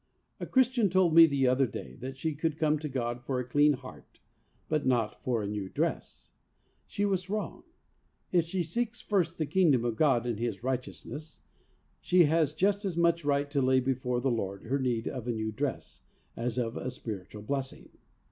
A Christian told me the other day that she could come to God for a clean heart, but not for a new dress. She was wrong. If she seeks ' first the Kingdom of God and His righteousness,' she has just as much right to lay before the Lord her need 86 THE WAY OF HOLINESS of a new dress, as of a spiritual blessing.